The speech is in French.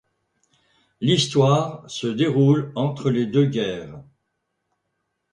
L’histoire se déroule entre les deux guerres.